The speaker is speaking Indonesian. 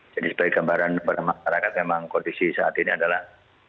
jadi sebagai gambaran kepada masyarakat memang kondisi saat ini adalah